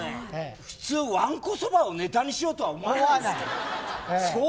普通わんこそばをネタにしようと思わない。